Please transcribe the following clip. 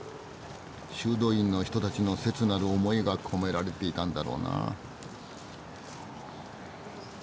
修道院の人たちの切なる思いが込められていたんだろうな。